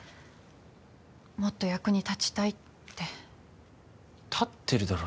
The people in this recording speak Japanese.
もっと役に立ちたいって立ってるだろ